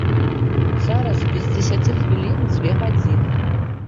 Зараз без дзесяці хвілін дзве гадзіны.